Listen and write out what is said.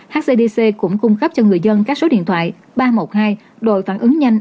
hcdc cũng cung cấp cho người dân các số điện thoại ba trăm một mươi hai đội phản ứng nhanh